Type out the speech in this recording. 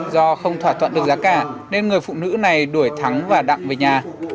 do không thỏa thuận được giá cả nên người phụ nữ này đuổi thắng và đặng về nhà